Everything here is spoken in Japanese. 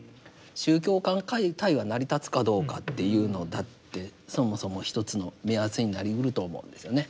宗教間対話成り立つかどうかっていうのだってそもそも一つの目安になりうると思うんですよね。